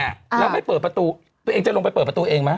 แล้วไม่เปิดประตูตัวเองจะลงไปเปิดประตูเองไหม